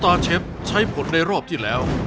ตาเชฟใช้ผลในรอบที่แล้ว